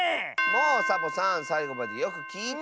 もうサボさんさいごまでよくきいて！